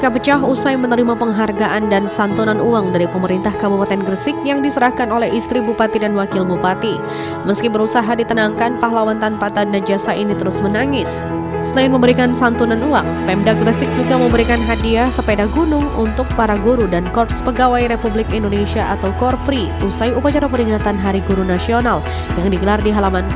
pemkap berjanji akan menambah honor dan tunjangan guru senilai tiga miliar rupiah lebih